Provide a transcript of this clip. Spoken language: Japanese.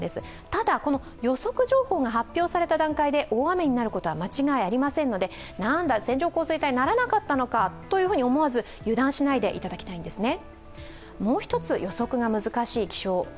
ただ、予測情報が発表された段階で大雨になることは間違いありませんので、なんだ線状降水帯にならなかったのかと思わず油断しないでいただきたいんですね。